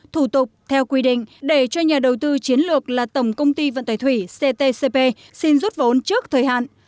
thủ tục theo quy định để cho nhà đầu tư chiến lược là tổng công ty vận tải thủy ctcp xin rút vốn trước thời hạn